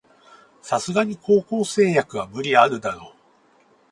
さすがに高校生役は無理あるだろ